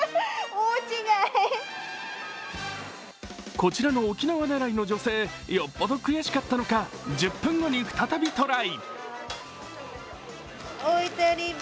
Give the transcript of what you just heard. こちらの沖縄狙いの女性よっぽど悔しかったのか１０分後に再びトライ。